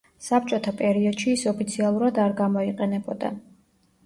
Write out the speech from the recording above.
საბჭოთა პერიოდში ის ოფიციალურად არ გამოიყენებოდა.